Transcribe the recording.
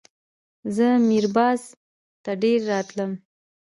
زه میر بازار ته ډېر راتلم.